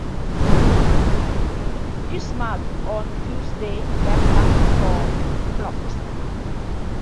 Christmas on Tuesday, bad luck for crops.